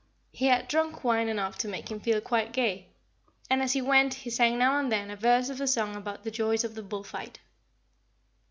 He had drunk wine enough to make him feel quite gay; and as he went he sang now and then a verse of a song about the joys of the bull fight.